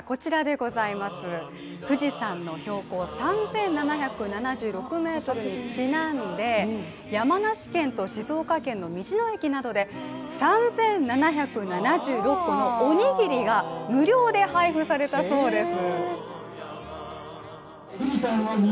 富士山の標高３７７６ｍにちなんで山梨県と静岡県の道の駅などで３７７６個のおにぎりが無料で配布されたそうです